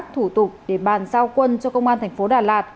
thủ tục để bàn giao quân cho công an thành phố đà lạt